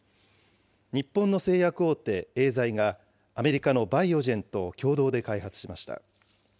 日本の製薬大手エーザイが、アメリカのバイオジェンと共同で開発しました。